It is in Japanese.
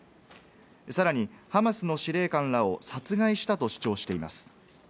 さらにハマスの司令官らを殺害したと主張しています。